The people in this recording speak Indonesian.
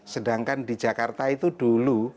sedangkan di jakarta itu dulu